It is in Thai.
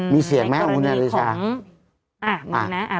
มีเสียงไหมอาวุณาเดชา